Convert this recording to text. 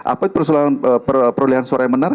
apa itu perolahan suara yang benar